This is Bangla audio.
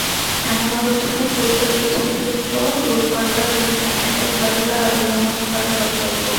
এমন অবস্থায় পুত্রবিচ্ছেদদুঃখ দূর করবার জন্যে একটা সদুপায় অবলম্বন করা কর্তব্য।